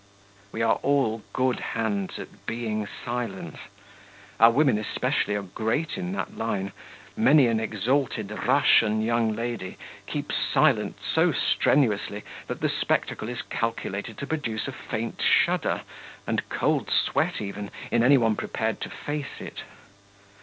We are all good hands at being silent; our women especially are great in that line. Many an exalted Russian young lady keeps silent so strenuously that the spectacle is calculated to produce a faint shudder and cold sweat even in any one prepared to face it.